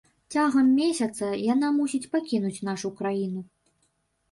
Цягам месяца яна мусіць пакінуць нашу краіну.